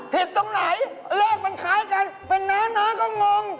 ตรงไหนเลขมันคล้ายกันเป็นน้าก็งง